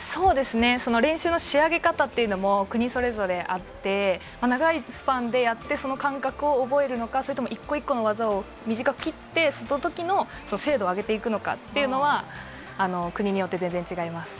練習の仕上げ方っていうのも国それぞれあって、長いスパンでやってその感覚を覚えるのか、一個一個の技を短く切って、その時の精度を上げていくのかっていうのは国によって全然違います。